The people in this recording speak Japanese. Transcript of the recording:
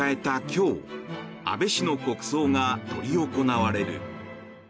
今日安倍氏の国葬が執り行われる。